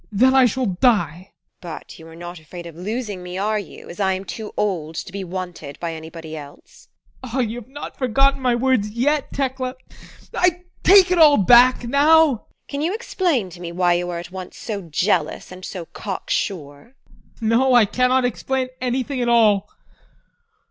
ADOLPH. Then I shall die! TEKLA. But you are not afraid of losing me, are you as I am too old to be wanted by anybody else? ADOLPH. You have not forgotten my words yet, Tekla! I take it all back now! TEKLA. Can you explain to me why you are at once so jealous and so cock sure? ADOLPH. No, I cannot explain anything at all.